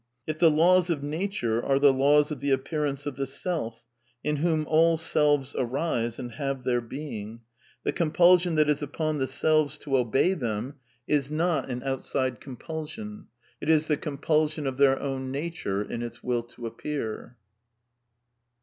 If the laws of nature are the laws of the appearance of the Self, in whom all selves arise and have their being, the com pulsion that is upon the selves to obey them is not an out 334 A DEFENCE OF IDEALISM side compulsion. It is the compulsion of their own nature in its will to appear.